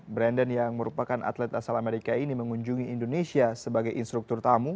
brandon yang merupakan atlet asal amerika ini mengunjungi indonesia sebagai instruktur tamu